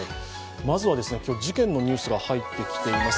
まずは今日、事件のニュースが入ってきています。